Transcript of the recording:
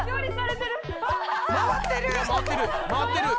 回ってる！